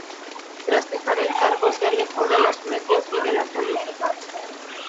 Tras dejar el cargo, se alejó de los medios y de la política.